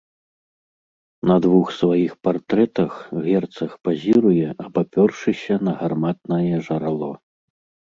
На двух сваіх партрэтах герцаг пазіруе, абапёршыся пра гарматнае жарало.